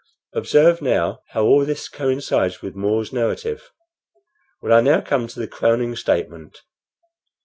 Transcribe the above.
Observe, now how all this coincides with More's narrative. Well, I now come to the crowning statement.